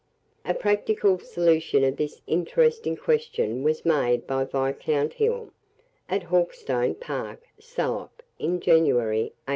A practical solution of this interesting question was made by Viscount Hill, at Hawkestone Park, Salop, in January, 1809.